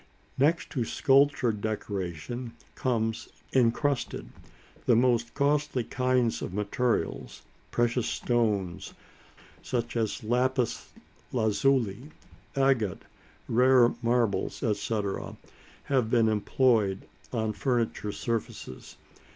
Next to sculptured decoration comes incrusted. The most costly kinds of material, precious stones, such as lapis lazuli, agate, rare marbles, etc., have been employed on furniture surfaces.